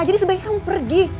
jadi sebaiknya kamu pergi